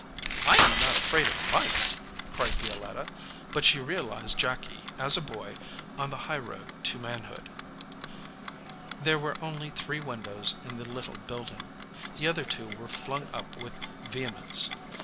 I am not afraid of mice," cried Violetta, but she realized Jacky as a boy on the highroad to manhood. There were only three windows in the little building. The other two were flung up with vehe mence.